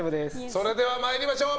それでは参りましょう。